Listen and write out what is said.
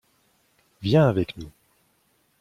Viens avec nous.